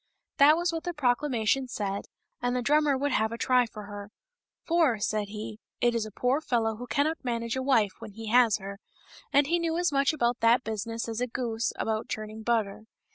That was what the proclamation said, and the drummer would have a try for her ;" for," said he, " it is a poor fellow who cannot manage a wife when he has her" — and he knew as much about that business as a goose about churning butter.